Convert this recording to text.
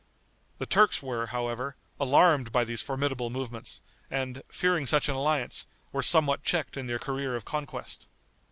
The Turks were, however, alarmed by these formidable movements, and, fearing such an alliance, were somewhat checked in their career of conquest.